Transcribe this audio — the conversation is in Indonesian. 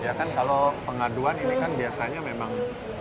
ya kan kalau pengaduan ini kan biasanya memang